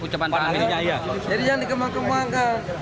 jadi jangan dikembang kembangkan